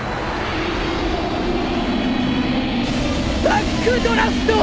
バックドラフト！